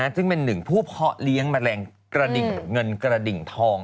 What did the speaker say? ซึ่งเป็นหนึ่งผู้เพาะเลี้ยงแมลงกระดิ่งเงินกระดิ่งทอง